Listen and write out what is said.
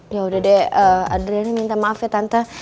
yaudah deh adriana minta maaf ya tante